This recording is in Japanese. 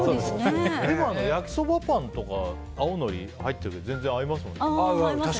今の焼きそばパンとか青のり入ってるけど全然合いますもんね。